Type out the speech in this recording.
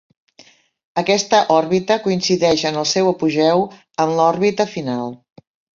Aquesta òrbita coincideix en el seu apogeu amb l'òrbita final.